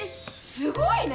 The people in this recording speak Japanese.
すごいね。